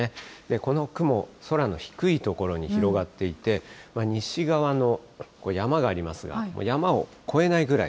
この雲、空の低い所に広がっていて、西側の山がありますが、山を越えないぐらい。